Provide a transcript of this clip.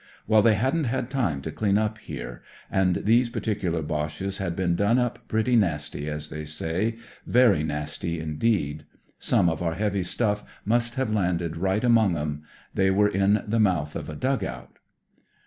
Well» they hadn't had time to dean up here, and these particular Boches had been done up pretty nasty, as they say, very b2 56 DESCRIBING INDESCRIBABLE nasty, indeed. Some of our heavy stuff must have landed right among 'em. They were in the mouth of a dug out.